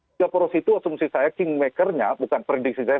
tiga poros itu asumsi saya kingmakernya bukan prediksi saya